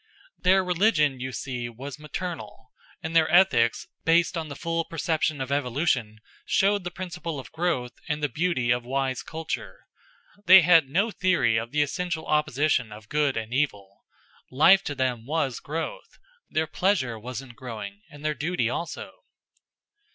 Their religion, you see, was maternal; and their ethics, based on the full perception of evolution, showed the principle of growth and the beauty of wise culture. They had no theory of the essential opposition of good and evil; life to them was growth; their pleasure was in growing, and their duty also.